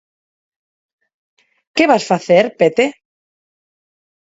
Que vas facer, Pete?